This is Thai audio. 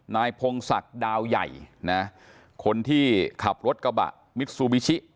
นายพงศักดิ์ดาวใหญ่นะคนที่ขับรถกระบะมิซูบิชิ